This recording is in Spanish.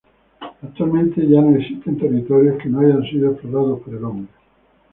Actualmente, ya no existen territorios que no hayan sido explorados por el hombre.